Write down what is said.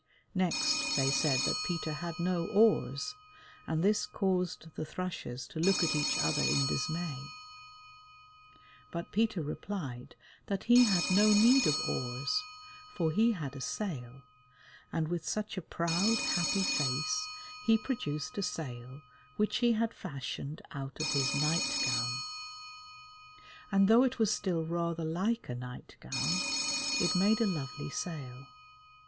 Next they said that Peter had no oars, and this caused the thrushes to look at each other in dismay, but Peter replied that he had no need of oars, for he had a sail, and with such a proud, happy face he produced a sail which he had fashioned out of his night gown, and though it was still rather like a night gown it made a lovely sail.